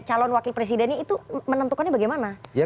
calon wakil presidennya itu menentukannya bagaimana